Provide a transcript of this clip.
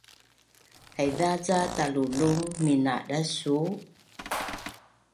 Haiza ca talulung minadas suu?